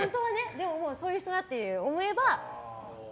でも、そういう人だって思えば。